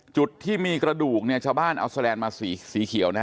จุดที่มีกระดูกเนี่ยชาวบ้านเอาแลนดมาสีเขียวนะฮะ